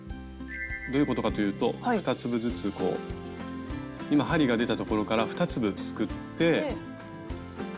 どういうことかというと２粒ずつこう今針が出たところから２粒すくって。